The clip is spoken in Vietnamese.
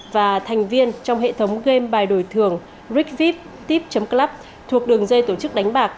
và thành viên trong hệ thống game bài đổi thường rigviptip club thuộc đường dây tổ chức đánh bạc